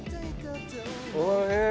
おいしい！